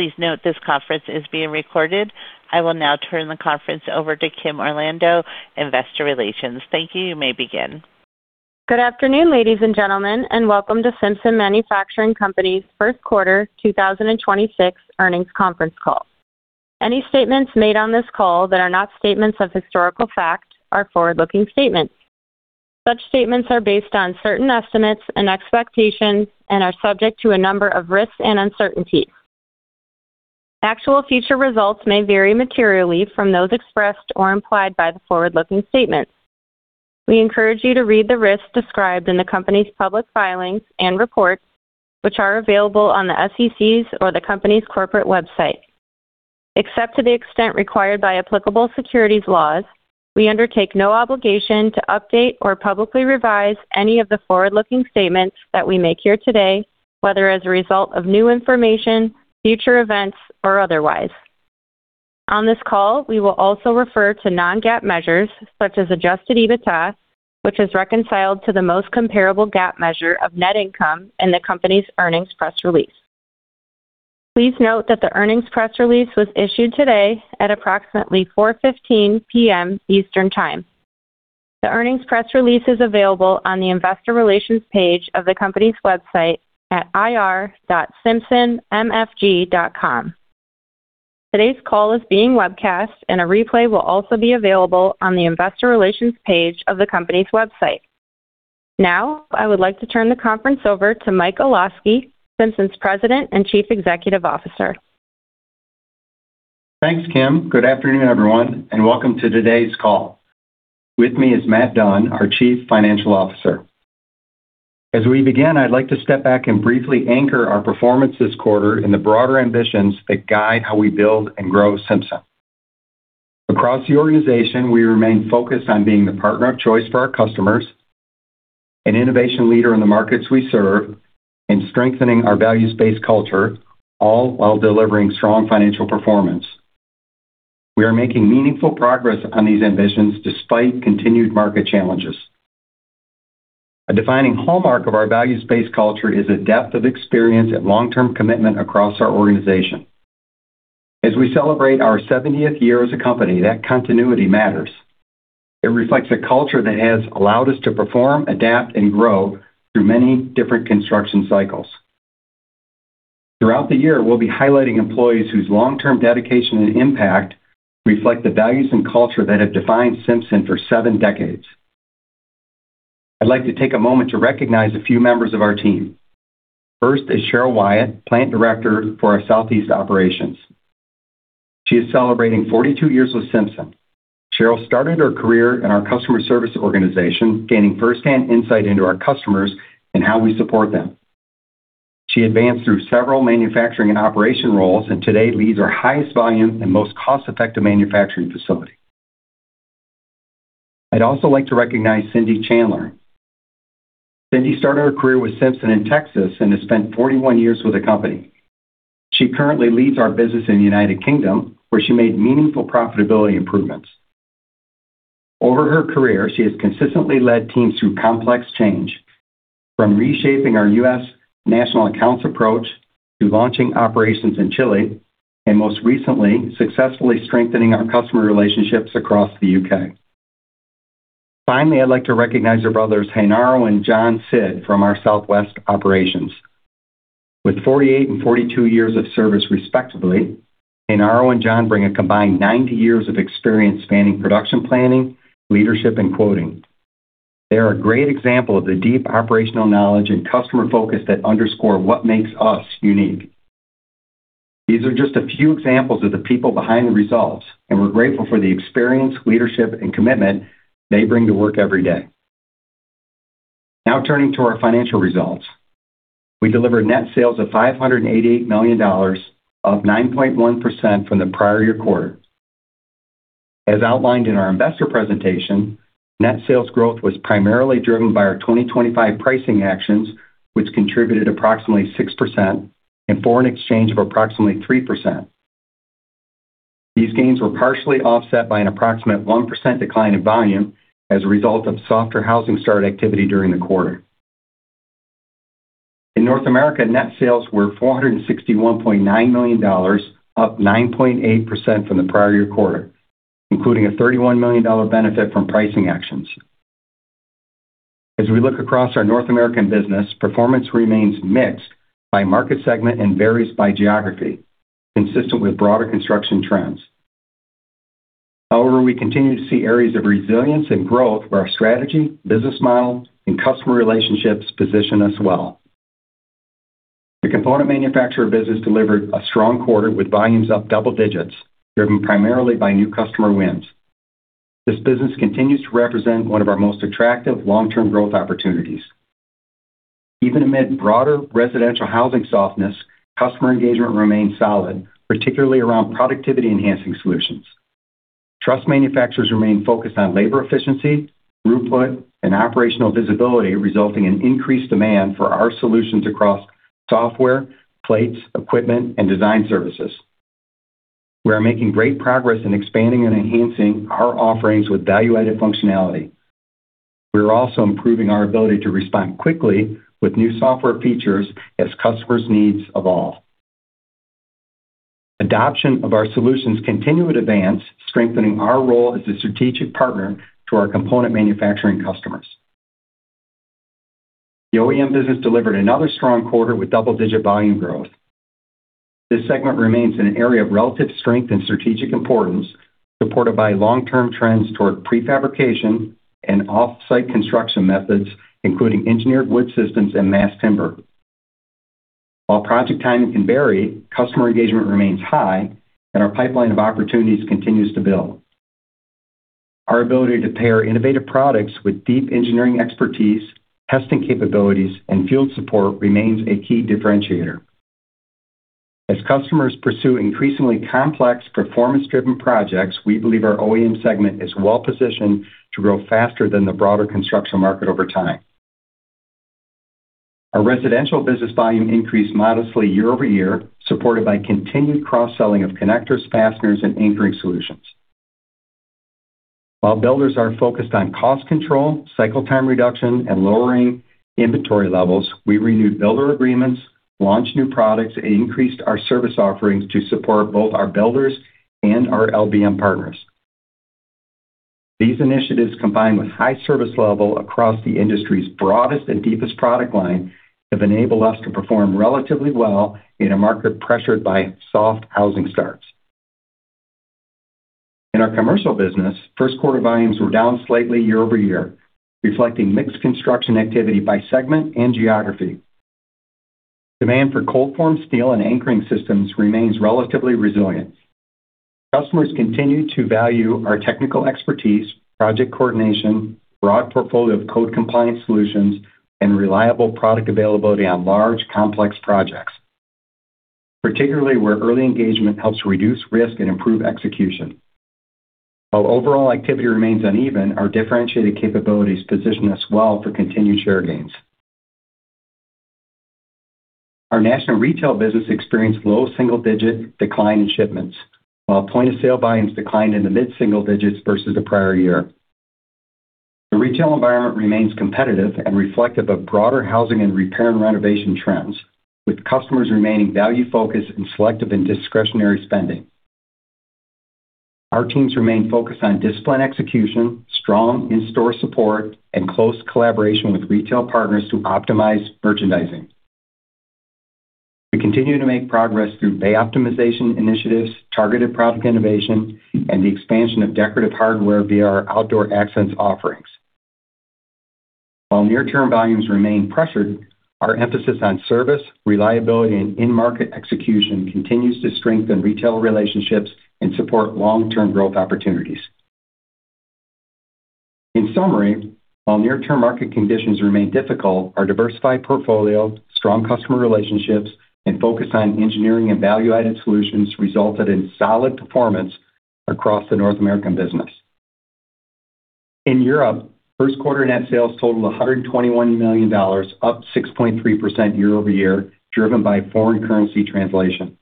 Please note this conference is being recorded. I will now turn the conference over to Kim Orlando, Investor Relations. Thank you. You may begin. Good afternoon, ladies and gentlemen, and welcome to Simpson Manufacturing Company. First quarter 2026 earnings conference call. Any statements made on this call that are not statements of historical fact are forward-looking statements. Such statements are based on certain estimates and expectations and are subject to a number of risks and uncertainties. Actual future results may vary materially from those expressed or implied by the forward-looking statements. We encourage you to read the risks described in the company's public filings and reports, which are available on the SEC's or the company's corporate website. Except to the extent required by applicable securities laws, we undertake no obligation to update or publicly revise any of the forward-looking statements that we make here today, whether as a result of new information, future events, or otherwise. On this call, we will also refer to non-GAAP measures, such as adjusted EBITDA, which is reconciled to the most comparable GAAP measure of net income in the company's earnings press release. Please note that the earnings press release was issued today at approximately 4:15 P.M. Eastern Time. The earnings press release is available on the investor relations page of the company's website at ir.simpsonmfg.com. Today's call is being webcast, and a replay will also be available on the investor relations page of the company's website. Now, I would like to turn the conference over to Michael Olosky, Simpson's President and Chief Executive Officer. Thanks, Kim. Good afternoon, everyone, and welcome to today's call. With me is Matt Dunn, our Chief Financial Officer. As we begin, I'd like to step back and briefly anchor our performance this quarter in the broader ambitions that guide how we build and grow Simpson. Across the organization, we remain focused on being the partner of choice for our customers and innovation leader in the markets we serve and strengthening our values-based culture, all while delivering strong financial performance. We are making meaningful progress on these ambitions despite continued market challenges. A defining hallmark of our values-based culture is a depth of experience and long-term commitment across our organization. As we celebrate our 70th year as a company, that continuity matters. It reflects a culture that has allowed us to perform, adapt, and grow through many different construction cycles. Throughout the year, we'll be highlighting employees whose long-term dedication and impact reflect the values and culture that have defined Simpson for seven decades. I'd like to take a moment to recognize a few members of our team. First is Cheryl Wyatt, Plant Director for our Southeast operations. She is celebrating 42 years with Simpson. Cheryl started her career in our customer service organization, gaining first-hand insight into our customers and how we support them. She advanced through several manufacturing and operation roles and today leads our highest volume and most cost-effective manufacturing facility. I'd also like to recognize Cyndi Chandler. Cyndi started her career with Simpson in Texas and has spent 41 years with the company. She currently leads our business in the United Kingdom, where she made meaningful profitability improvements. Over her career, she has consistently led teams through complex change, from reshaping our U.S. national accounts approach to launching operations in Chile, and most recently, successfully strengthening our customer relationships across the U.K. Finally, I'd like to recognize our brothers, Genaro and John Sid from our Southwest operations. With 48 and 42 years of service, respectively, Genaro and John bring a combined 90 years of experience spanning production planning, leadership, and quoting. They are a great example of the deep operational knowledge and customer focus that underscore what makes us unique. These are just a few examples of the people behind the results, and we're grateful for the experience, leadership, and commitment they bring to work every day. Now turning to our financial results. We delivered net sales of $588 million, up 9.1% from the prior year quarter. As outlined in our investor presentation, net sales growth was primarily driven by our 2025 pricing actions, which contributed approximately 6% and foreign exchange of approximately 3%. These gains were partially offset by an approximate 1% decline in volume as a result of softer housing start activity during the quarter. In North America, net sales were $461.9 million, up 9.8% from the prior year quarter, including a $31 million benefit from pricing actions. As we look across our North American business, performance remains mixed by market segment and varies by geography, consistent with broader construction trends. However, we continue to see areas of resilience and growth where our strategy, business model, and customer relationships position us well. The component manufacturer business delivered a strong quarter with volumes up double digits, driven primarily by new customer wins. This business continues to represent one of our most attractive long-term growth opportunities. Even amid broader residential housing softness, customer engagement remains solid, particularly around productivity-enhancing solutions. Truss manufacturers remain focused on labor efficiency, throughput, and operational visibility, resulting in increased demand for our solutions across software, plates, equipment, and design services. We are making great progress in expanding and enhancing our offerings with value-added functionality. We are also improving our ability to respond quickly with new software features as customers' needs evolve. Adoption of our solutions continues to advance, strengthening our role as a strategic partner to our component manufacturing customers. The OEM business delivered another strong quarter with double-digit volume growth. This segment remains in an area of relative strength and strategic importance, supported by long-term trends toward prefabrication and off-site construction methods, including engineered wood systems and mass timber. While project timing can vary, customer engagement remains high, and our pipeline of opportunities continues to build. Our ability to pair innovative products with deep engineering expertise, testing capabilities, and field support remains a key differentiator. As customers pursue increasingly complex performance-driven projects, we believe our OEM segment is well-positioned to grow faster than the broader construction market over time. Our residential business volume increased modestly year-over-year, supported by continued cross-selling of connectors, fasteners, and anchoring solutions. While builders are focused on cost control, cycle time reduction, and lowering inventory levels, we renewed builder agreements, launched new products, and increased our service offerings to support both our builders and our LBM partners. These initiatives, combined with high service level across the industry's broadest and deepest product line, have enabled us to perform relatively well in a market pressured by soft housing starts. In our commercial business, first quarter volumes were down slightly year-over-year, reflecting mixed construction activity by segment and geography. Demand for cold-formed steel and anchoring systems remains relatively resilient. Customers continue to value our technical expertise, project coordination, broad portfolio of code compliance solutions, and reliable product availability on large, complex projects, particularly where early engagement helps reduce risk and improve execution. While overall activity remains uneven, our differentiated capabilities position us well for continued share gains. Our national retail business experienced low single-digit decline in shipments, while point-of-sale volumes declined in the mid-single digits versus the prior year. The retail environment remains competitive and reflective of broader housing and repair and renovation trends, with customers remaining value-focused and selective in discretionary spending. Our teams remain focused on disciplined execution, strong in-store support, and close collaboration with retail partners to optimize merchandising. We continue to make progress through bay optimization initiatives, targeted product innovation, and the expansion of decorative hardware via our Outdoor Accents offerings. While near-term volumes remain pressured, our emphasis on service, reliability, and in-market execution continues to strengthen retail relationships and support long-term growth opportunities. In summary, while near-term market conditions remain difficult, our diversified portfolio, strong customer relationships, and focus on engineering and value-added solutions resulted in solid performance across the North American business. In Europe, first quarter net sales totaled $121 million, up 6.3% year-over-year, driven by foreign currency translation.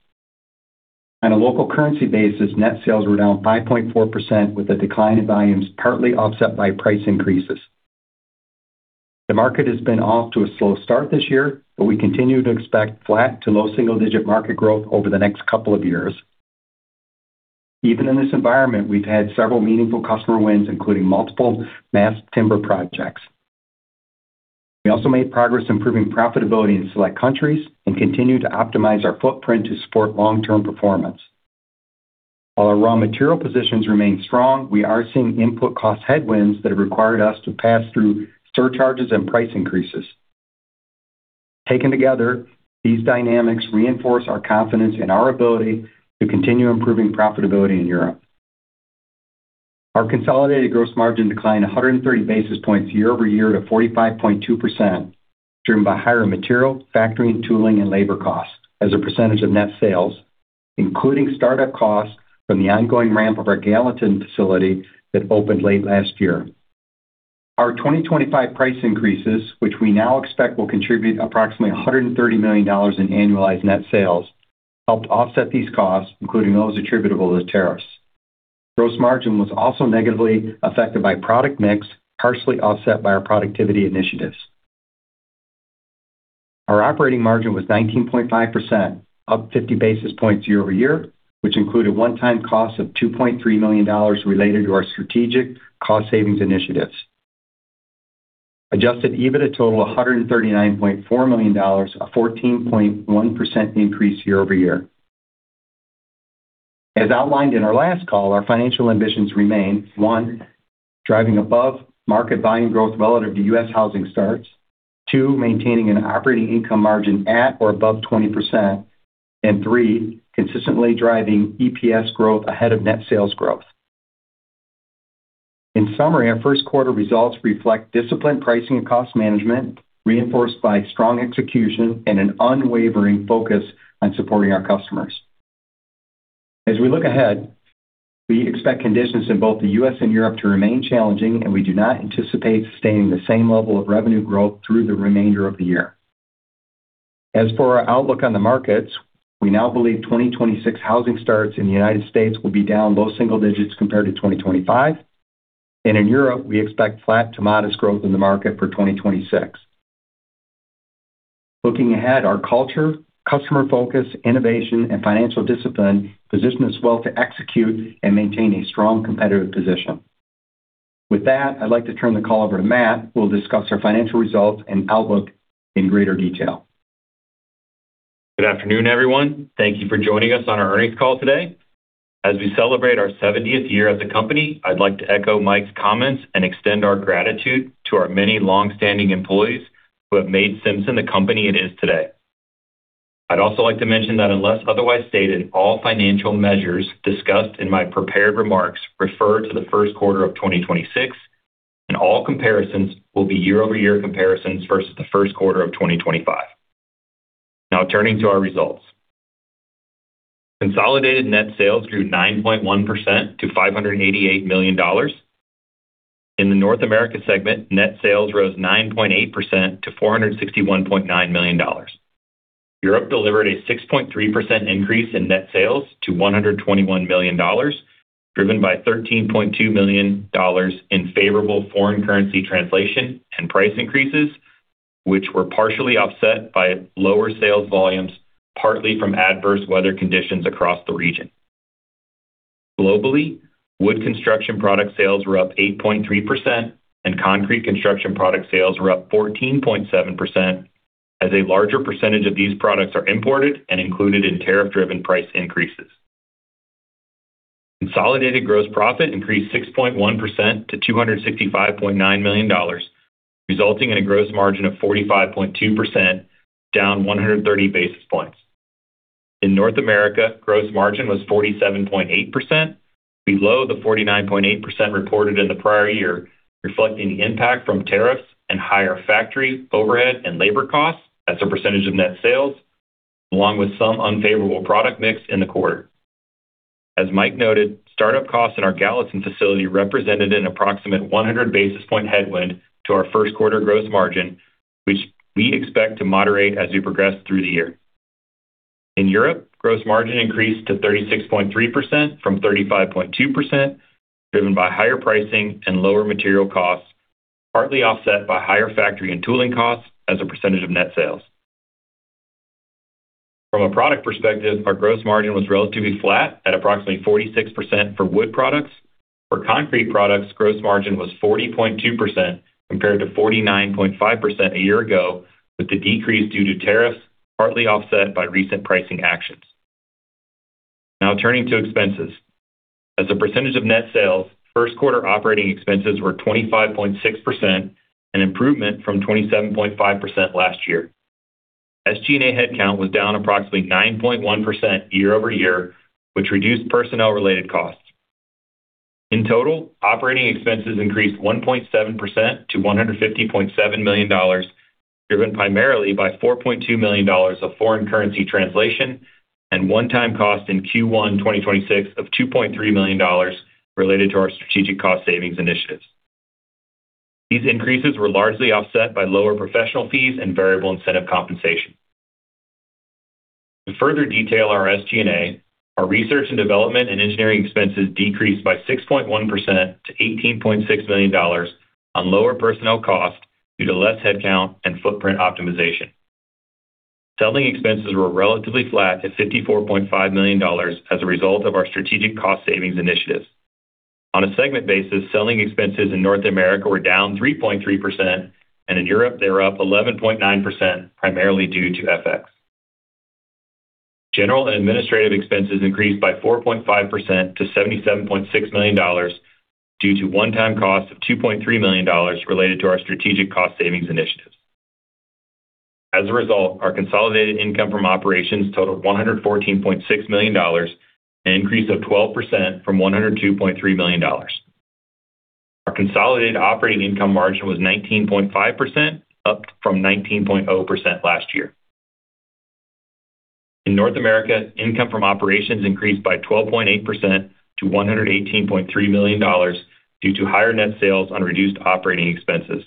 On a local currency basis, net sales were down 5.4%, with the decline in volumes partly offset by price increases. The market has been off to a slow start this year, but we continue to expect flat to low single-digit market growth over the next couple of years. Even in this environment, we've had several meaningful customer wins, including multiple mass timber projects. We also made progress improving profitability in select countries and continue to optimize our footprint to support long-term performance. While our raw material positions remain strong, we are seeing input cost headwinds that have required us to pass through surcharges and price increases. Taken together, these dynamics reinforce our confidence in our ability to continue improving profitability in Europe. Our consolidated gross margin declined 130 basis points year-over-year to 45.2%, driven by higher material, factory, tooling, and labor costs as a percentage of net sales, including startup costs from the ongoing ramp of our Gallatin facility that opened late last year. Our 2025 price increases, which we now expect will contribute approximately $130 million in annualized net sales, helped offset these costs, including those attributable to tariffs. Gross margin was also negatively affected by product mix, partially offset by our productivity initiatives. Our operating margin was 19.5%, up 50 basis points year-over-year, which included one-time costs of $2.3 million related to our strategic cost savings initiatives. Adjusted EBITDA totaled $139.4 million, a 14.1% increase year-over-year. As outlined in our last call, our financial ambitions remain, one, driving above-market volume growth relative to U.S. housing starts, two, maintaining an operating income margin at or above 20%, and three, consistently driving EPS growth ahead of net sales growth. In summary, our first quarter results reflect disciplined pricing and cost management, reinforced by strong execution and an unwavering focus on supporting our customers. As we look ahead, we expect conditions in both the U.S. and Europe to remain challenging, and we do not anticipate sustaining the same level of revenue growth through the remainder of the year. As for our outlook on the markets, we now believe 2026 housing starts in the United States will be down low single digits compared to 2025, and in Europe, we expect flat to modest growth in the market for 2026. Looking ahead, our culture, customer focus, innovation, and financial discipline position us well to execute and maintain a strong competitive position. With that, I'd like to turn the call over to Matt, who will discuss our financial results and outlook in greater detail. Good afternoon, everyone. Thank you for joining us on our earnings call today. As we celebrate our 70th year as a company, I'd like to echo Mike's comments and extend our gratitude to our many long-standing employees who have made Simpson the company it is today. I'd also like to mention that unless otherwise stated, all financial measures discussed in my prepared remarks refer to the first quarter of 2026, and all comparisons will be year-over-year comparisons versus the first quarter of 2025. Now turning to our results. Consolidated net sales grew 9.1% to $588 million. In the North America segment, net sales rose 9.8% to $461.9 million. Europe delivered a 6.3% increase in net sales to $121 million, driven by $13.2 million in favorable foreign currency translation and price increases, which were partially offset by lower sales volumes, partly from adverse weather conditions across the region. Globally, wood construction product sales were up 8.3%, and concrete construction product sales were up 14.7% as a larger percentage of these products are imported and included in tariff-driven price increases. Consolidated gross profit increased 6.1% to $265.9 million, resulting in a gross margin of 45.2%, down 130 basis points. In North America, gross margin was 47.8%, below the 49.8% reported in the prior year, reflecting the impact from tariffs and higher factory overhead and labor costs as a percentage of net sales, along with some unfavorable product mix in the quarter. As Mike noted, startup costs in our Gallatin facility represented an approximate 100 basis points headwind to our first quarter gross margin, which we expect to moderate as we progress through the year. In Europe, gross margin increased to 36.3% from 35.2%, driven by higher pricing and lower material costs, partly offset by higher factory and tooling costs as a percentage of net sales. From a product perspective, our gross margin was relatively flat at approximately 46% for wood products. For concrete products, gross margin was 40.2% compared to 49.5% a year ago, with the decrease due to tariffs, partly offset by recent pricing actions. Now turning to expenses. As a percentage of net sales, first quarter operating expenses were 25.6%, an improvement from 27.5% last year. SG&A headcount was down approximately 9.1% year-over-year, which reduced personnel-related costs. In total, operating expenses increased 1.7% to $150.7 million, driven primarily by $4.2 million of foreign currency translation and one-time cost in Q1 2026 of $2.3 million related to our strategic cost savings initiatives. These increases were largely offset by lower professional fees and variable incentive compensation. To further detail our SG&A, our research and development and engineering expenses decreased by 6.1% to $18.6 million on lower personnel cost due to less headcount and footprint optimization. Selling expenses were relatively flat at $54.5 million as a result of our strategic cost savings initiatives. On a segment basis, selling expenses in North America were down 3.3%, and in Europe, they were up 11.9%, primarily due to FX. General and administrative expenses increased by 4.5% to $77.6 million due to one-time cost of $2.3 million related to our strategic cost savings initiatives. As a result, our consolidated income from operations totaled $114.6 million, an increase of 12% from $102.3 million. Our consolidated operating income margin was 19.5%, up from 19.0% last year. In North America, income from operations increased by 12.8% to $118.3 million due to higher net sales on reduced operating expenses.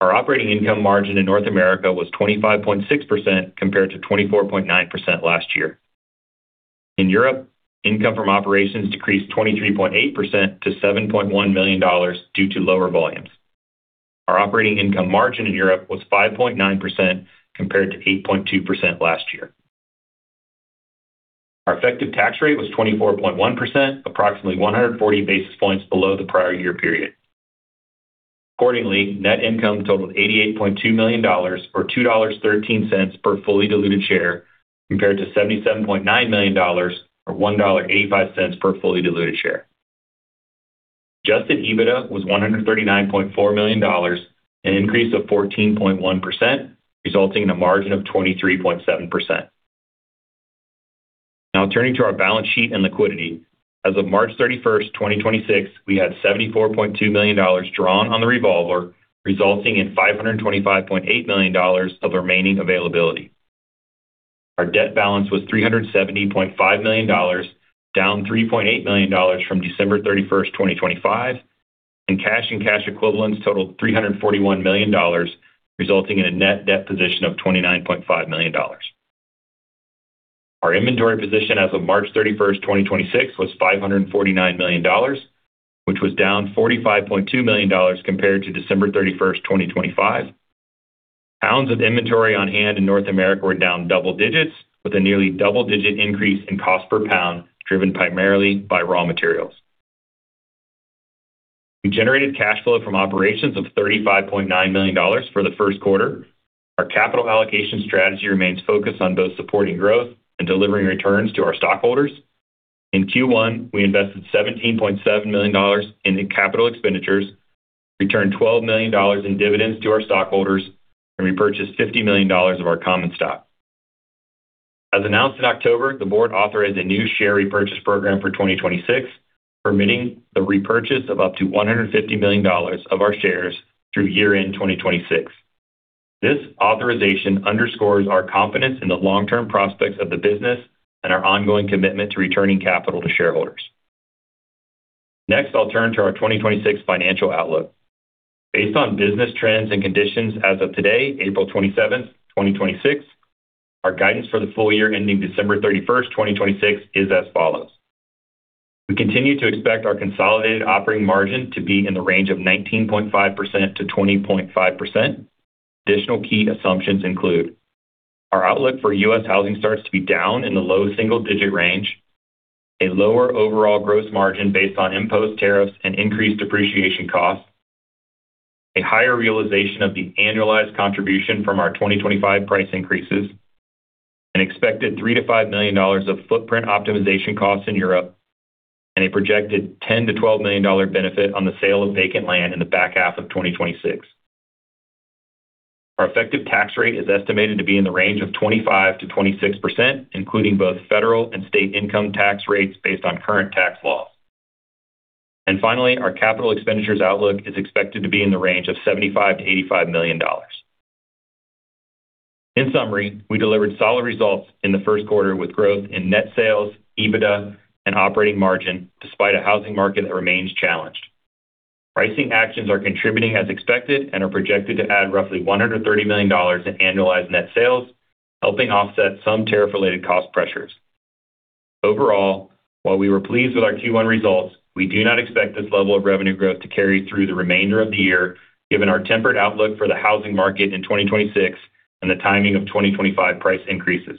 Our operating income margin in North America was 25.6% compared to 24.9% last year. In Europe, income from operations decreased 23.8% to $7.1 million due to lower volumes. Our operating income margin in Europe was 5.9% compared to 8.2% last year. Our effective tax rate was 24.1%, approximately 140 basis points below the prior year period. Accordingly, net income totaled $88.2 million or $2.13 per fully diluted share compared to $77.9 million or $1.85 per fully diluted share. Adjusted EBITDA was $139.4 million, an increase of 14.1%, resulting in a margin of 23.7%. Now turning to our balance sheet and liquidity. As of March 31st, 2026, we had $74.2 million drawn on the revolver, resulting in $525.8 million of remaining availability. Our debt balance was $370.5 million, down $3.8 million from December 31st, 2025, and cash and cash equivalents totaled $341 million, resulting in a net debt position of $29.5 million. Our inventory position as of March 31st, 2026, was $549 million, which was down $45.2 million compared to December 31st, 2025. Pounds of inventory on hand in North America were down double digits, with a nearly double-digit increase in cost per pound, driven primarily by raw materials. We generated cash flow from operations of $35.9 million for the first quarter. Our capital allocation strategy remains focused on both supporting growth and delivering returns to our stockholders. In Q1, we invested $17.7 million in the capital expenditures, returned $12 million in dividends to our stockholders, and repurchased $50 million of our common stock. As announced in October, the board authorized a new share repurchase program for 2026, permitting the repurchase of up to $150 million of our shares through year-end 2026. This authorization underscores our confidence in the long-term prospects of the business and our ongoing commitment to returning capital to shareholders. Next, I'll turn to our 2026 financial outlook. Based on business trends and conditions as of today, April 27th, 2026, our guidance for the full year ending December 31st, 2026, is as follows. We continue to expect our consolidated operating margin to be in the range of 19.5%-20.5%. Additional key assumptions include our outlook for U.S. housing starts to be down in the low single-digit range, a lower overall gross margin based on imposed tariffs and increased depreciation costs, a higher realization of the annualized contribution from our 2025 price increases, an expected $3 million-$5 million of footprint optimization costs in Europe, and a projected $10 million-$12 million benefit on the sale of vacant land in the back half of 2026. Our effective tax rate is estimated to be in the range of 25%-26%, including both federal and state income tax rates based on current tax laws. Finally, our capital expenditures outlook is expected to be in the range of $75 million-$85 million. In summary, we delivered solid results in the first quarter with growth in net sales, EBITDA, and operating margin despite a housing market that remains challenged. Pricing actions are contributing as expected and are projected to add roughly $130 million in annualized net sales, helping offset some tariff-related cost pressures. Overall, while we were pleased with our Q1 results, we do not expect this level of revenue growth to carry through the remainder of the year, given our tempered outlook for the housing market in 2026 and the timing of 2025 price increases.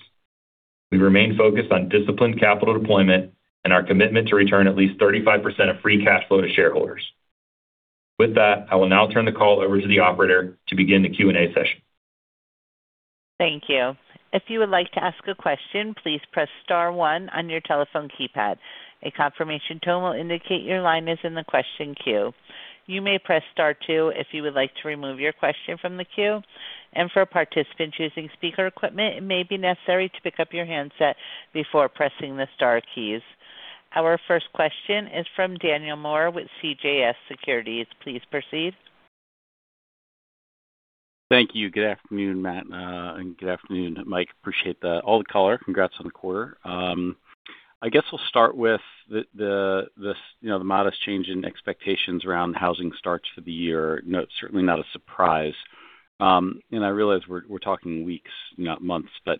We remain focused on disciplined capital deployment and our commitment to return at least 35% of free cash flow to shareholders. With that, I will now turn the call over to the operator to begin the Q&A session. Thank you. If you would like to ask a question, please press star one on your telephone keypad. A confirmation tone will indicate your line is in the question queue. You may press star two if you would like to remove your question from the queue. For a participant choosing speaker equipment, it may be necessary to pick up your handset before pressing the star keys. Our first question is from Daniel Moore with CJS Securities. Please proceed. Thank you. Good afternoon, Matt, and good afternoon, Mike. Appreciate all the color. Congrats on the quarter. I guess we'll start with you know, the modest change in expectations around housing starts for the year. No, it's certainly not a surprise. I realize we're talking weeks, not months, but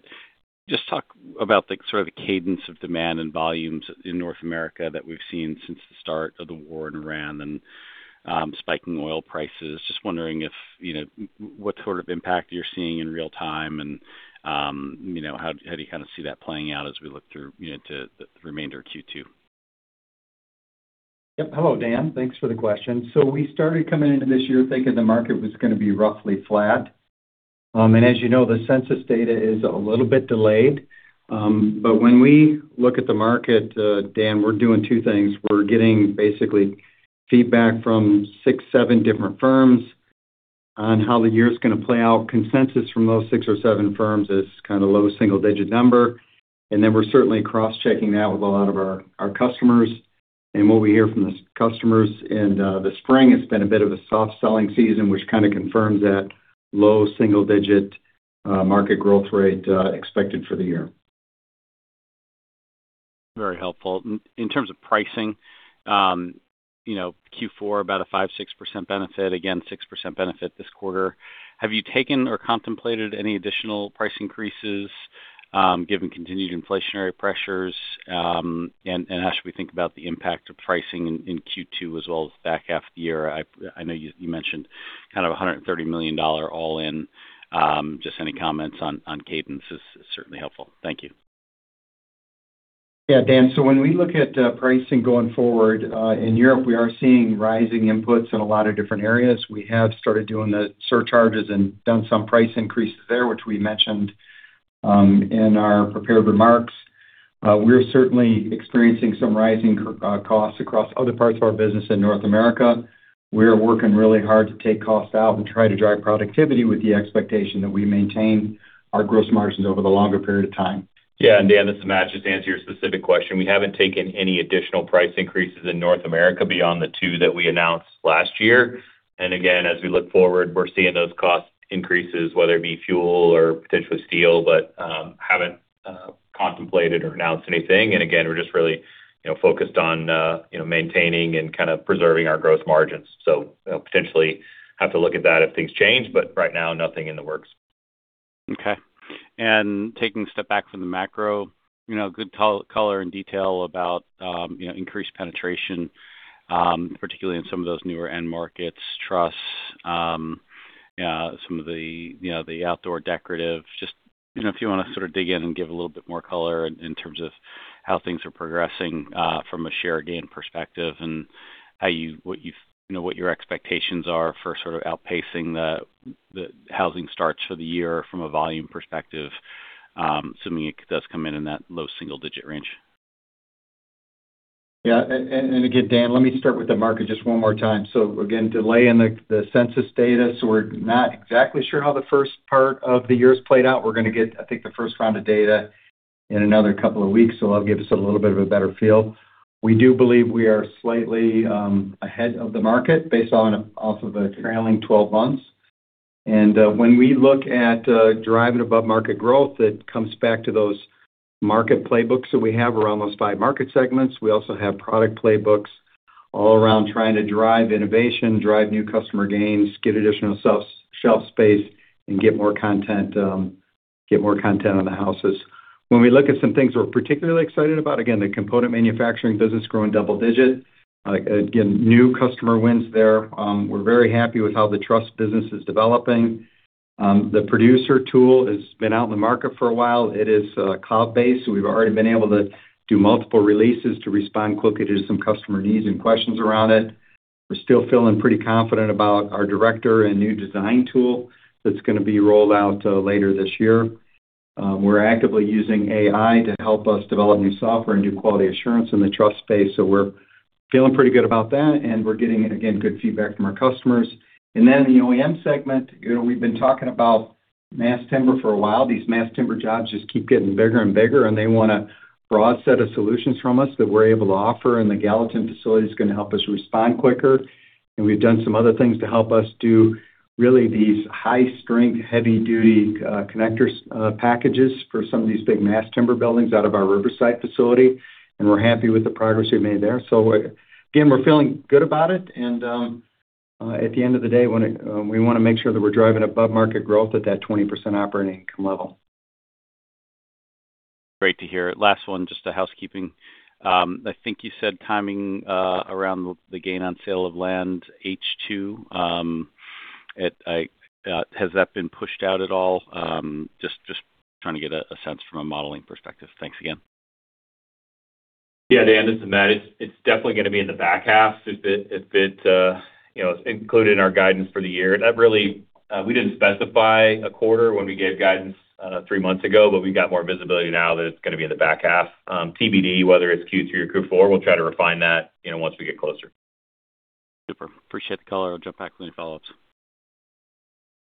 just talk about the sort of cadence of demand and volumes in North America that we've seen since the start of the war in Iran and spiking oil prices. Just wondering if you know, what sort of impact you're seeing in real-time and you know, how do you kinda see that playing out as we look through you know, to the remainder of Q2? Hello, Dan. Thanks for the question. We started coming into this year thinking the market was gonna be roughly flat. As you know, the census data is a little bit delayed. When we look at the market, Dan, we're doing two things. We're getting basically feedback from six, seven different firms on how the year's gonna play out. Consensus from those six or seven firms is kind of low single-digit number. We're certainly cross-checking that with a lot of our customers. What we hear from the customers in the spring, it's been a bit of a soft selling season, which kinda confirms that low single-digit market growth rate expected for the year. Very helpful. In terms of pricing, you know, Q4 about a 5%-6% benefit, again, 6% benefit this quarter. Have you taken or contemplated any additional price increases, given continued inflationary pressures? And as we think about the impact of pricing in Q2 as well as back half of the year, I know you mentioned kind of a $130 million all-in. Just any comments on cadence is certainly helpful. Thank you. Yeah, Dan. When we look at pricing going forward in Europe, we are seeing rising inputs in a lot of different areas. We have started doing the surcharges and done some price increases there, which we mentioned in our prepared remarks. We're certainly experiencing some rising costs across other parts of our business in North America. We're working really hard to take costs out and try to drive productivity with the expectation that we maintain our gross margins over the longer period of time. Yeah. Dan, this is Matt. Just to answer your specific question, we haven't taken any additional price increases in North America beyond the two that we announced last year. Again, as we look forward, we're seeing those cost increases, whether it be fuel or potentially steel, but haven't contemplated or announced anything. We're just really, you know, focused on, you know, maintaining and kind of preserving our growth margins. You know, we potentially have to look at that if things change, but right now, nothing in the works. Okay. Taking a step back from the macro, you know, good color and detail about, you know, increased penetration, particularly in some of those newer end markets, truss, some of the, you know, the outdoor decorative. Just, you know, if you wanna sort of dig in and give a little bit more color in terms of how things are progressing from a share gain perspective and what your expectations are for sort of outpacing the housing starts for the year from a volume perspective, assuming it does come in in that low single-digit range? Yeah. Again, Dan, let me start with the market just one more time. Again, delay in the census data, so we're not exactly sure how the first part of the year's played out. We're gonna get, I think, the first round of data in another couple of weeks, so that'll give us a little bit of a better feel. We do believe we are slightly ahead of the market based on off of the trailing twelve months. When we look at driving above-market growth, it comes back to those market playbooks that we have around those five market segments. We also have product playbooks all around trying to drive innovation, drive new customer gains, get additional shelf space, and get more content on the houses. When we look at some things we're particularly excited about, again, the component manufacturing business growing double-digit. Again, new customer wins there. We're very happy with how the truss business is developing. The Producer Tool has been out in the market for a while. It is cloud-based, so we've already been able to do multiple releases to respond quickly to some customer needs and questions around it. We're still feeling pretty confident about our Director and new design tool that's gonna be rolled out later this year. We're actively using AI to help us develop new software and new quality assurance in the truss space, so we're feeling pretty good about that, and we're getting, again, good feedback from our customers. In the OEM segment, you know, we've been talking about mass timber for a while. These mass timber jobs just keep getting bigger and bigger, and they want a broad set of solutions from us that we're able to offer, and the Gallatin facility is gonna help us respond quicker. We've done some other things to help us do really these high-strength, heavy-duty, connectors packages for some of these big mass timber buildings out of our Riverside facility, and we're happy with the progress we've made there. Again, we're feeling good about it. At the end of the day, we wanna make sure that we're driving above market growth at that 20% operating income level. Great to hear. Last one, just a housekeeping. I think you said timing around the gain on sale of land H2. Has that been pushed out at all? Just trying to get a sense from a modeling perspective. Thanks again. Yeah. Dan, this is Matt. It's definitely gonna be in the back half. It's been, you know, included in our guidance for the year. We didn't specify a quarter when we gave guidance three months ago, but we've got more visibility now that it's gonna be in the back half. TBD whether it's Q3 or Q4. We'll try to refine that, you know, once we get closer. Super. Appreciate the color. I'll jump back with any follow-ups.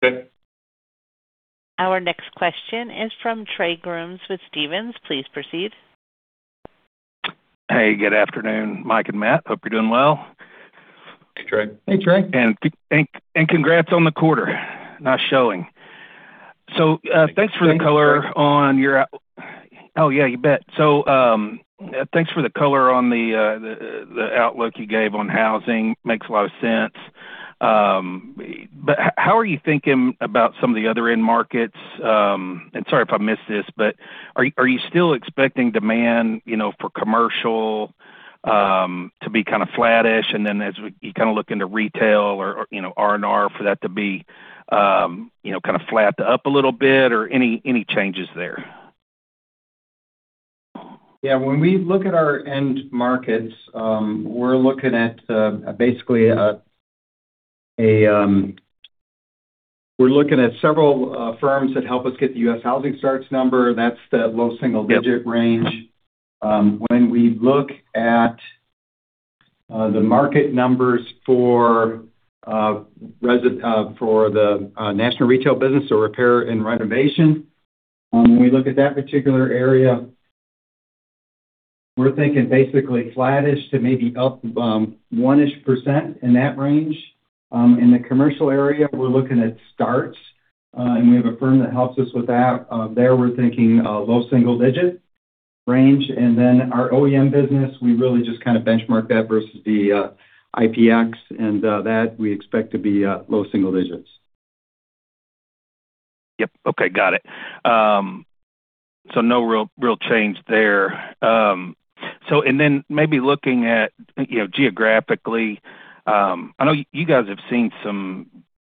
Okay. Our next question is from Trey Grooms with Stephens. Please proceed. Hey, good afternoon, Mike and Matt. Hope you're doing well. Hey, Trey. Hey, Trey. Congrats on the quarter. Nice showing. Oh, yeah, you bet. Thanks for the color on the outlook you gave on housing. Makes a lot of sense. But how are you thinking about some of the other end markets? Sorry if I missed this, but are you still expecting demand, you know, for commercial to be kind of flattish? You kinda look into retail or you know, R&R for that to be you know, kind of flat to up a little bit? Any changes there? Yeah. When we look at our end markets, we're looking at several firms that help us get the U.S. housing starts number. That's the low single-digit range. When we look at the market numbers for residential, the national retail business or repair and renovation, when we look at that particular area, we're thinking basically flattish to maybe up 1%-ish in that range. In the commercial area, we're looking at starts, and we have a firm that helps us with that. There we're thinking low single-digit range. Then our OEM business, we really just kind of benchmark that versus the IPI, and that we expect to be low single digits. Yep. Okay. Got it. No real change there. Maybe looking at, you know, geographically, I know you guys have seen some,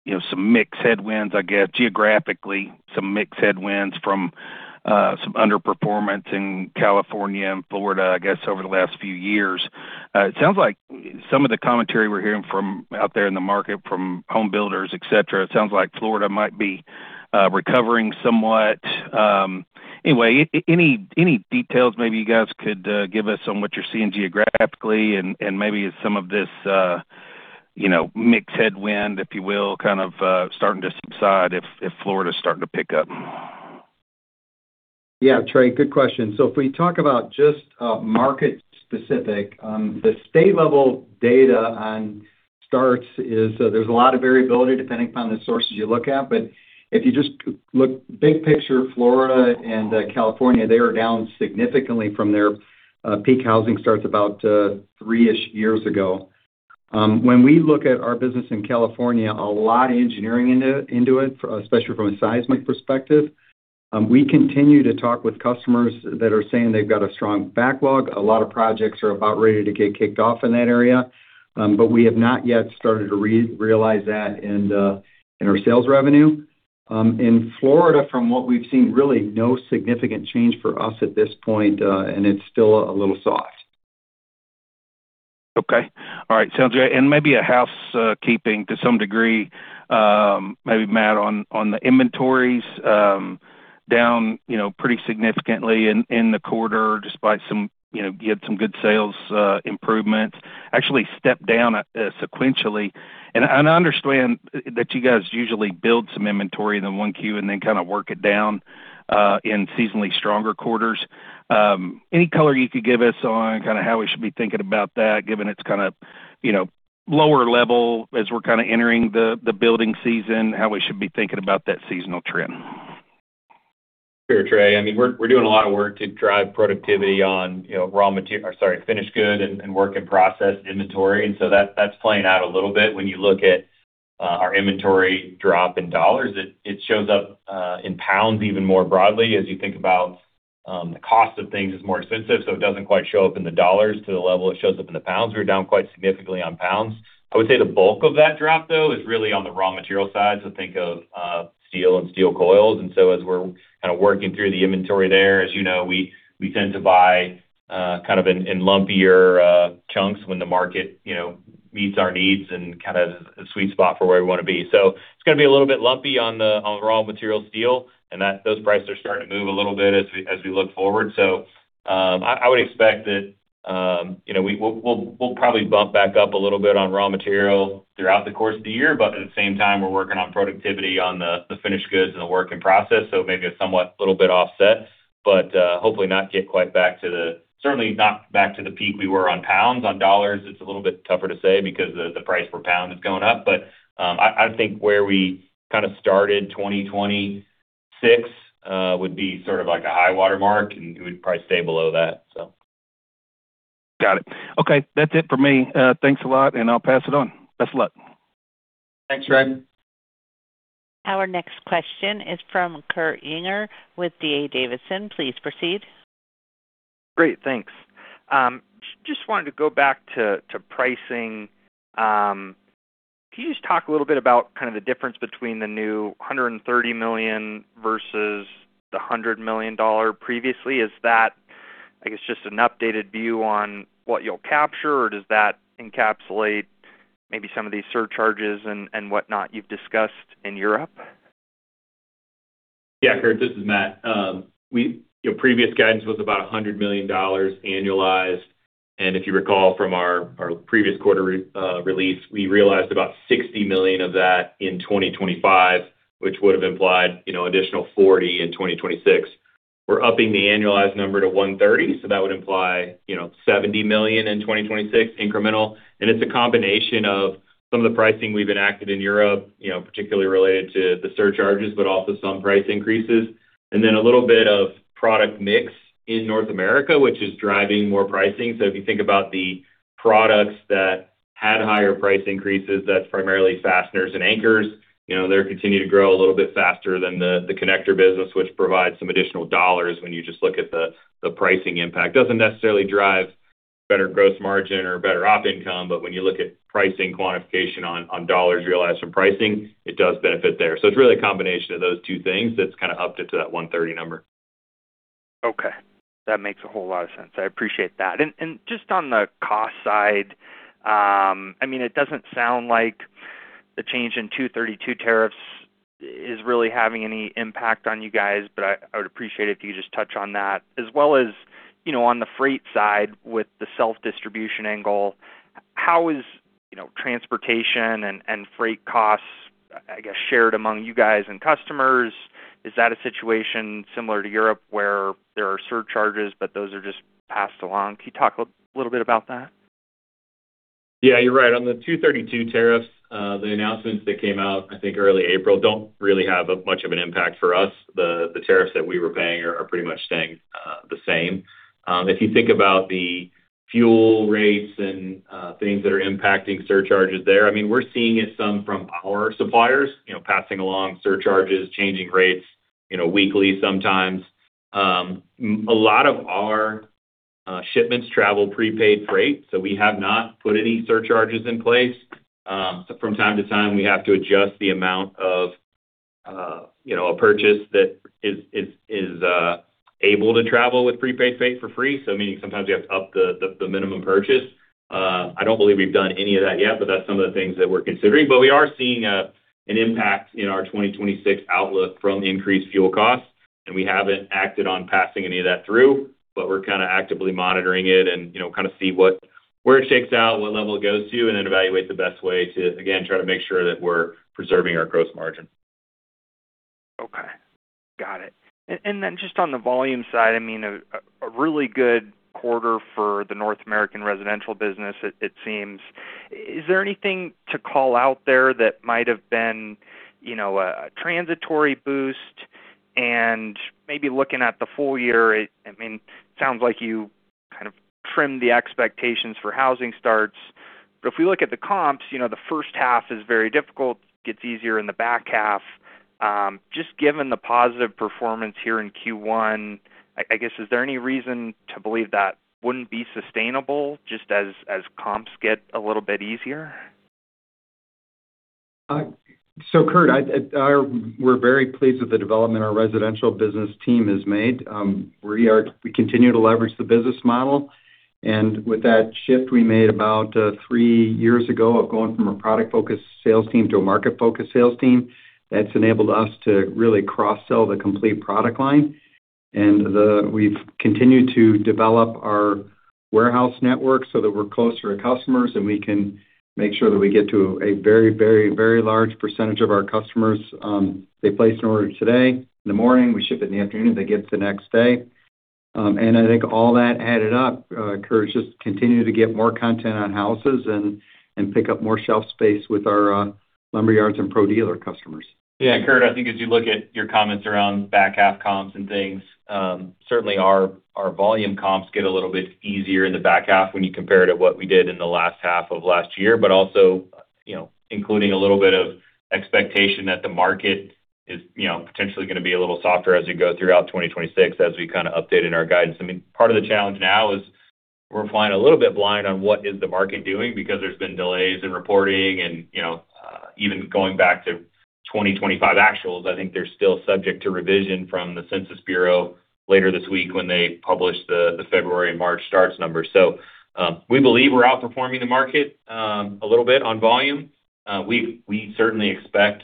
you know, some mixed headwinds, I guess, geographically, some mixed headwinds from some underperformance in California and Florida, I guess, over the last few years. It sounds like some of the commentary we're hearing from out there in the market from home builders, et cetera. It sounds like Florida might be recovering somewhat. Anyway, any details maybe you guys could give us on what you're seeing geographically and maybe some of this, you know, mixed headwind, if you will, kind of starting to subside if Florida's starting to pick up. Yeah, Trey, good question. If we talk about just market specific, the state level data on starts is, there's a lot of variability depending upon the sources you look at. If you just look big picture, Florida and California, they are down significantly from their peak housing starts about three years ago. When we look at our business in California, a lot of engineering into it, especially from a seismic perspective. We continue to talk with customers that are saying they've got a strong backlog. A lot of projects are about ready to get kicked off in that area. But we have not yet started to realize that in our sales revenue. In Florida, from what we've seen, really no significant change for us at this point, and it's still a little soft. Okay. All right. Sounds great. Keeping to some degree, maybe Matt, on the inventories down, you know, pretty significantly in the quarter, just by some, you know, you had some good sales improvements, actually stepped down sequentially. I understand that you guys usually build some inventory in the 1Q and then kind of work it down in seasonally stronger quarters. Any color you could give us on kind of how we should be thinking about that, given it's kinda, you know, lower level as we're kinda entering the building season, how we should be thinking about that seasonal trend? Sure, Trey. I mean, we're doing a lot of work to drive productivity on, you know, finished good and work in process inventory, and so that's playing out a little bit. When you look at our inventory drop in dollars, it shows up in pounds even more broadly. As you think about the cost of things is more expensive, so it doesn't quite show up in the dollars to the level it shows up in the pounds. We're down quite significantly on pounds. I would say the bulk of that drop, though, is really on the raw material side, so think of steel and steel coils. As we're kinda working through the inventory there, as you know, we tend to buy kind of in lumpier chunks when the market you know meets our needs and kind of a sweet spot for where we wanna be. It's gonna be a little bit lumpy on the raw material steel, and those prices are starting to move a little bit as we look forward. I would expect that, you know, we'll probably bump back up a little bit on raw material throughout the course of the year, but at the same time, we're working on productivity on the finished goods and the work in process, so it may be a somewhat little bit offset, but hopefully, certainly not back to the peak we were on pounds. On dollars, it's a little bit tougher to say because the price per pound is going up. I think where we kinda started, 2026, would be sort of like a high watermark, and it would probably stay below that. Got it. Okay. That's it for me. Thanks a lot, and I'll pass it on. Best of luck. Thanks, Trey. Our next question is from Kurt Yinger with D.A. Davidson. Please proceed. Great. Thanks. Just wanted to go back to pricing. Can you just talk a little bit about kind of the difference between the new $130 million versus the $100 million previously? Is that, I guess, just an updated view on what you'll capture, or does that encapsulate maybe some of these surcharges and whatnot you've discussed in Europe? Yeah, Kurt, this is Matt. Your previous guidance was about $100 million annualized. If you recall from our previous quarter release, we realized about $60 million of that in 2025, which would have implied, you know, additional $40 million in 2026. We're upping the annualized number to $130 million, so that would imply, you know, $70 million in 2026 incremental. It's a combination of some of the pricing we've enacted in Europe, you know, particularly related to the surcharges, but also some price increases. A little bit of product mix in North America, which is driving more pricing. If you think about the products that had higher price increases, that's primarily fasteners and anchors. You know, they're continuing to grow a little bit faster than the connector business, which provides some additional dollars when you just look at the pricing impact. Doesn't necessarily drive better gross margin or better op income, but when you look at pricing quantification on dollars realized from pricing, it does benefit there. It's really a combination of those two things that's kinda upped it to that $130 number. Okay. That makes a whole lot of sense. I appreciate that. Just on the cost side, I mean, it doesn't sound like the change in Section 232 tariffs is really having any impact on you guys, but I would appreciate it if you just touched on that. As well as, you know, on the freight side with the self-distribution angle, how is, you know, transportation and freight costs, I guess, shared among you guys and customers? Is that a situation similar to Europe where there are surcharges, but those are just passed along? Can you talk a little bit about that? Yeah, you're right. On the Section 232 tariffs, the announcements that came out, I think, early April, don't really have much of an impact for us. The tariffs that we were paying are pretty much staying the same. If you think about the fuel rates and things that are impacting surcharges there, I mean, we're seeing it some from our suppliers, you know, passing along surcharges, changing rates, you know, weekly sometimes. A lot of our shipments travel prepaid freight, so we have not put any surcharges in place. So, from time to time, we have to adjust the amount of, you know, a purchase that is able to travel with prepaid freight for free. So, meaning sometimes you have to up the minimum purchase. I don't believe we've done any of that yet, but that's some of the things that we're considering. We are seeing an impact in our 2026 outlook from increased fuel costs. We haven't acted on passing any of that through, but we're kinda actively monitoring it and, you know, kinda see where it shakes out, what level it goes to, and then evaluate the best way to, again, try to make sure that we're preserving our gross margin. Okay. Got it. Then just on the volume side, I mean, a really good quarter for the North American residential business it seems. Is there anything to call out there that might have been, you know, a transitory boost? Maybe looking at the full year, I mean, sounds like you kind of trimmed the expectations for housing starts. If we look at the comps, you know, the first half is very difficult, gets easier in the back half. Just given the positive performance here in Q1, I guess, is there any reason to believe that wouldn't be sustainable just as comps get a little bit easier? Kurt, we're very pleased with the development our residential business team has made. We continue to leverage the business model, and with that shift we made about three years ago of going from a product-focused sales team to a market-focused sales team, that's enabled us to really cross-sell the complete product line. We've continued to develop our warehouse network so that we're closer to customers, and we can make sure that we get to a very large percentage of our customers. They place an order today in the morning, we ship it in the afternoon, they get it the next day. I think all that added up, Kurt, just continue to get more content on houses and pick up more shelf space with our lumberyards and pro dealer customers. Yeah, Kurt, I think as you look at your comments around back half comps and things, certainly our volume comps get a little bit easier in the back half when you compare it to what we did in the last half of last year. Also, you know, including a little bit of expectation that the market is, you know, potentially gonna be a little softer as we go throughout 2026 as we kinda updated our guidance. I mean, part of the challenge now is we're flying a little bit blind on what is the market doing because there's been delays in reporting and, you know, even going back to 2025 actuals, I think they're still subject to revision from the Census Bureau later this week when they publish the February and March starts numbers. We believe we're outperforming the market a little bit on volume. We certainly expect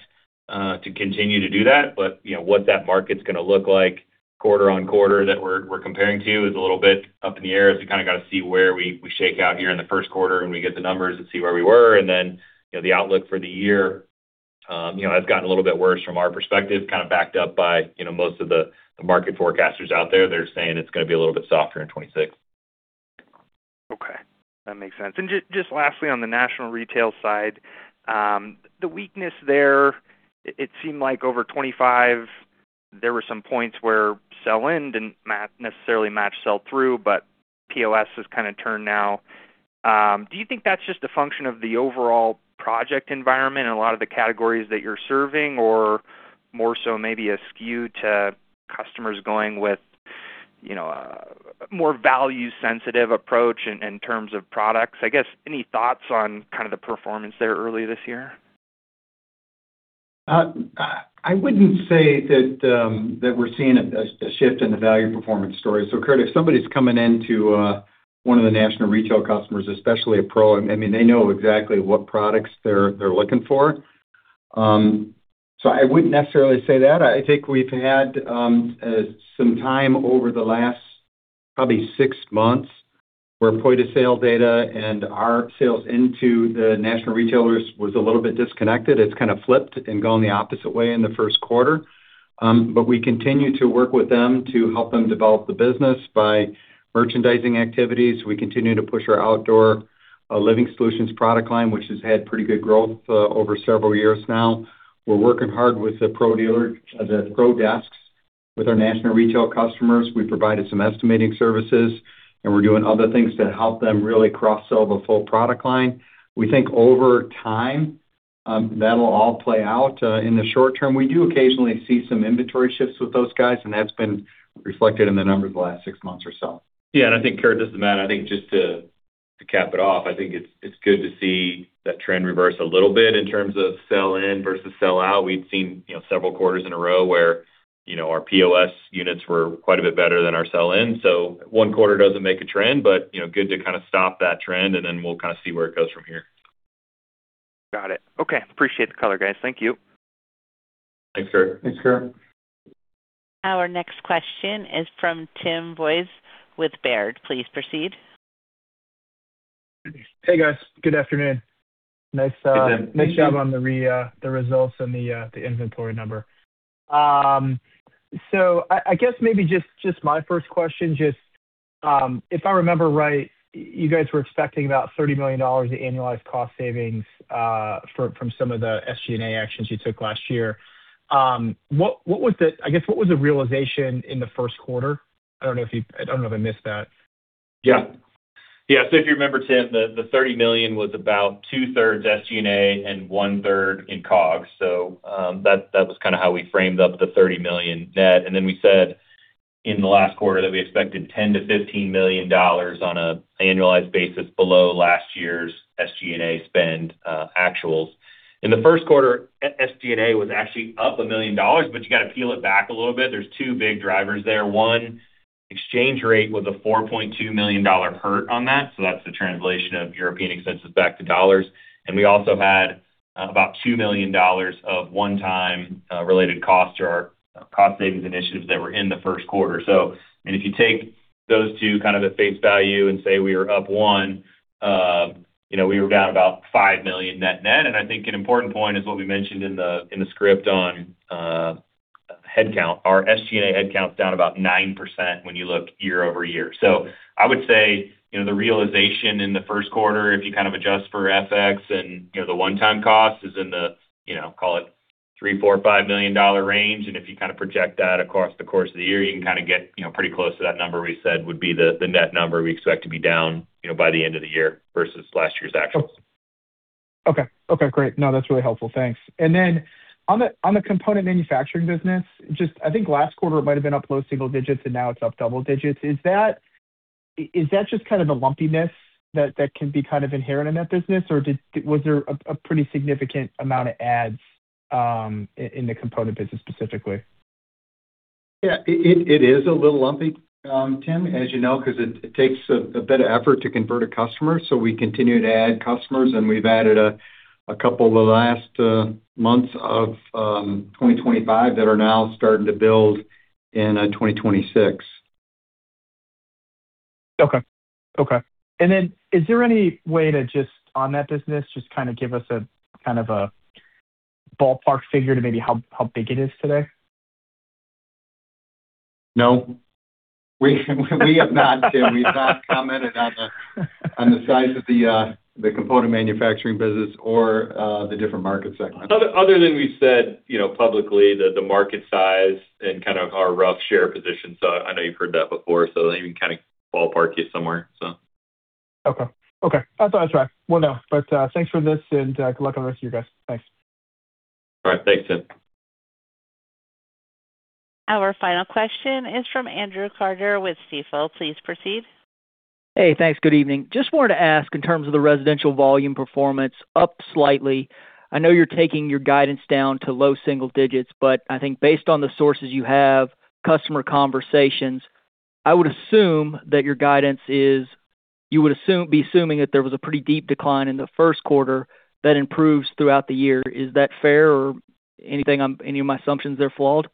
to continue to do that, but you know, what that market's gonna look like quarter on quarter that we're comparing to is a little bit up in the air, as we kinda gotta see where we shake out here in the first quarter, and we get the numbers and see where we were. You know, the outlook for the year has gotten a little bit worse from our perspective, kind of backed up by you know, most of the market forecasters out there. They're saying it's gonna be a little bit softer in 2026. Okay. That makes sense. Just lastly, on the national retail side, the weakness there, it seemed like over 25, there were some points where sell-in didn't necessarily match sell-through, but POS has kinda turned now. Do you think that's just a function of the overall project environment in a lot of the categories that you're serving or more so maybe a skew to customers going with, you know, a more value-sensitive approach in terms of products? I guess, any thoughts on kind of the performance there early this year? I wouldn't say that that we're seeing a shift in the value performance story. Kurt, if somebody's coming into one of the national retail customers, especially a pro, I mean, they know exactly what products they're looking for. I wouldn't necessarily say that. I think we've had some time over the last probably six months, where point of sale data and our sales into the national retailers was a little bit disconnected. It's kinda flipped and gone the opposite way in the first quarter. We continue to work with them to help them develop the business by merchandising activities. We continue to push our outdoor living solutions product line, which has had pretty good growth over several years now. We're working hard with the pro desks with our national retail customers. We've provided some estimating services, and we're doing other things to help them really cross-sell the full product line. We think over time, that'll all play out in the short term. We do occasionally see some inventory shifts with those guys, and that's been reflected in the numbers the last six months or so. Yeah. I think, Kurt, just to add, I think just to cap it off, I think it's good to see that trend reverse a little bit in terms of sell-in versus sell-out. We'd seen, you know, several quarters in a row where, you know, our POS units were quite a bit better than our sell-in. One quarter doesn't make a trend, but, you know, good to kinda stop that trend, and then we'll kinda see where it goes from here. Got it. Okay. Appreciate the color, guys. Thank you. Thanks, Kurt. Thanks, Kurt. Our next question is from Tim Wojs with Baird. Please proceed. Hey, guys. Good afternoon. Nice. Hey, Tim. Thank you. Nice job on the results and the inventory number. I guess maybe just my first question, just if I remember right, you guys were expecting about $30 million of annualized cost savings from some of the SG&A actions you took last year. What was the realization in the first quarter? I don't know if I missed that. If you remember, Tim, the $30 million was about 2/3 SG&A and 1/3 in COGS. That was kinda how we framed up the $30 million net. Then we said in the last quarter that we expected $10 million-$15 million on a annualized basis below last year's SG&A spend, actuals. In the first quarter, SG&A was actually up $1 million, but you gotta peel it back a little bit. There's two big drivers there. One, exchange rate with a $4.2 million hurt on that, so that's the translation of European expenses back to dollars. We also had about $2 million of one-time related costs to our cost savings initiatives that were in the first quarter. If you take those two kind of at face value and say we are up one, you know, we were down about $5 million net-net. I think an important point is what we mentioned in the script on headcount. Our SG&A headcount is down about 9% when you look year-over-year. I would say, you know, the realization in the first quarter, if you kind of adjust for FX and, you know, the one-time cost is in the, you know, call it $3 million-$5 million range. If you kind of project that across the course of the year, you can kind of get, you know, pretty close to that number we said would be the net number we expect to be down, you know, by the end of the year versus last year's actuals. Okay, great. No, that's really helpful. Thanks. Then on the component manufacturing business, just I think last quarter it might have been up low single-digit and now it's up double-digit. Is that just kind of the lumpiness that can be kind of inherent in that business? Or was there a pretty significant amount of adds in the component business specifically? Yeah. It is a little lumpy, Tim, as you know, cause it takes a bit of effort to convert a customer. We continue to add customers, and we've added a couple the last months of 2025 that are now starting to build in 2026. Okay. Is there any way to just, on that business, just kind of give us a kind of a ballpark figure to maybe how big it is today? No. We have not, Tim. We have not commented on the size of the component manufacturing business or the different market segments. Other than we said, you know, publicly the market size and kind of our rough share position, I know you've heard that before, so let me kind of ballpark you somewhere, so. Okay. That's what I track. Well, no, but thanks for this and good luck on the rest of you guys. Thanks. All right. Thanks, Tim. Our final question is from Andrew Carter with Stifel. Please proceed. Hey, thanks. Good evening. Just wanted to ask in terms of the residential volume performance up slightly. I know you're taking your guidance down to low single digits%, but I think based on the sources you have, customer conversations, I would assume that your guidance is assuming that there was a pretty deep decline in the first quarter that improves throughout the year. Is that fair or is anything in any of my assumptions there flawed?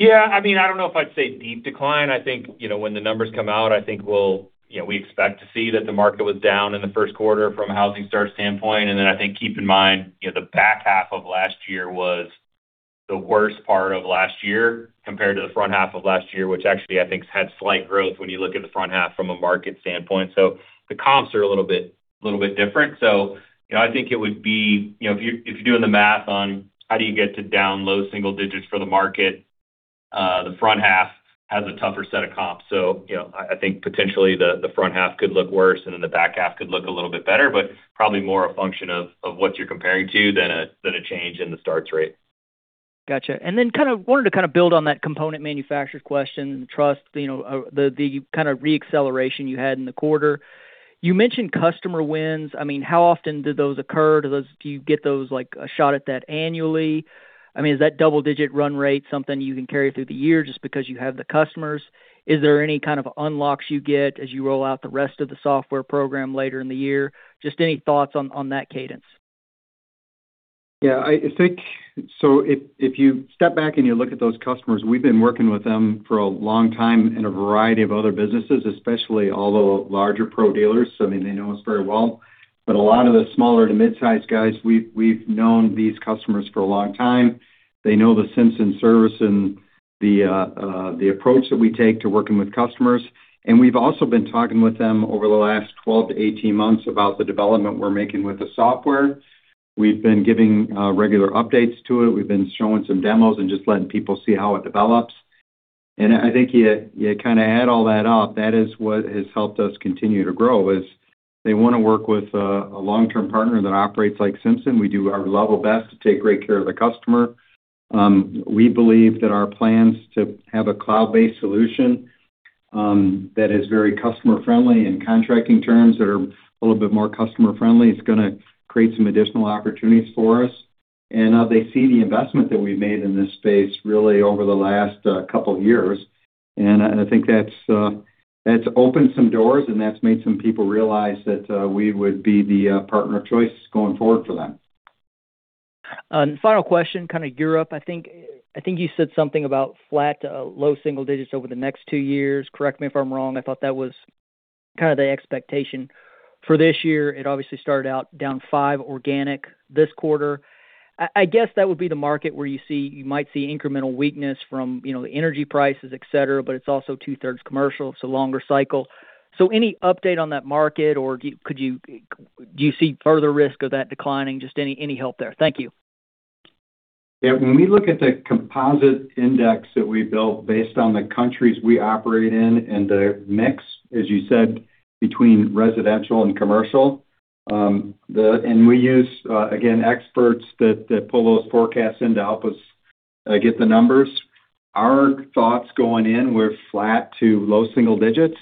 Yeah. I mean, I don't know if I'd say deep decline. I think, you know, when the numbers come out, I think we'll, you know, we expect to see that the market was down in the first quarter from a housing start standpoint. Then I think keep in mind, you know, the back half of last year was the worst part of last year compared to the front half of last year, which actually I think had slight growth when you look at the front half from a market standpoint. The comps are a little bit different. You know, I think it would be. You know, if you're doing the math on how do you get to down low single digits for the market, the front half has a tougher set of comps. You know, I think potentially the front half could look worse and then the back half could look a little bit better, but probably more a function of what you're comparing to than a change in the starts rate. Gotcha. Then kind of wanted to kind of build on that component manufacturer question, truss, you know, the kind of reacceleration you had in the quarter. You mentioned customer wins. I mean, how often do those occur? Do you get those, like, a shot at that annually? I mean, is that double-digit run rate something you can carry through the year just because you have the customers? Is there any kind of unlocks you get as you roll out the rest of the software program later in the year? Just any thoughts on that cadence. Yeah, I think. If you step back and you look at those customers, we've been working with them for a long time in a variety of other businesses, especially all the larger pro dealers. I mean, they know us very well. A lot of the smaller to mid-size guys, we've known these customers for a long time. They know the Simpson service and the approach that we take to working with customers. We've also been talking with them over the last 12-18 months about the development we're making with the software. We've been giving regular updates to it. We've been showing some demos and just letting people see how it develops. I think you kinda add all that up, that is what has helped us continue to grow, is they wanna work with a long-term partner that operates like Simpson. We do our level best to take great care of the customer. We believe that our plans to have a cloud-based solution that is very customer-friendly and contracting terms that are a little bit more customer-friendly, it's gonna create some additional opportunities for us. They see the investment that we've made in this space really over the last couple years. I think that's opened some doors, and that's made some people realize that we would be the partner of choice going forward for them. Final question, kinda gear up. I think you said something about flat, low single digits over the next two years. Correct me if I'm wrong. I thought that was kinda the expectation. For this year, it obviously started out down 5% organic this quarter. I guess that would be the market where you might see incremental weakness from, you know, the energy prices, etc., but it's also two-thirds commercial, it's a longer cycle. Any update on that market or do you see further risk of that declining? Just any help there. Thank you. Yeah. When we look at the composite index that we built based on the countries we operate in and the mix, as you said, between residential and commercial, and we use, again, experts that pull those forecasts in to help us get the numbers. Our thoughts going in were flat to low single digits,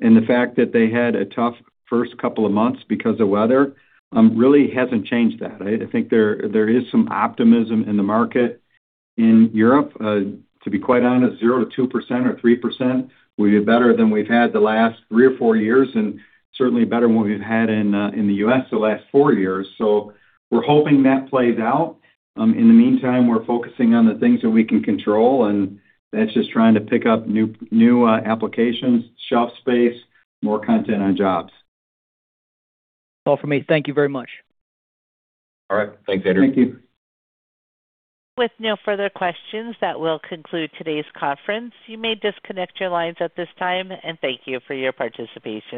and the fact that they had a tough first couple of months because of weather really hasn't changed that, right? I think there is some optimism in the market in Europe. To be quite honest, 0%-2% or 3% will be better than we've had the last three or four years and certainly better than what we've had in the U.S. the last four years. We're hoping that plays out. In the meantime, we're focusing on the things that we can control, and that's just trying to pick up new applications, shelf space, more content on jobs. All for me. Thank you very much. All right. Thanks Andrew. Thank you. With no further questions, that will conclude today's conference. You may disconnect your lines at this time, and thank you for your participation.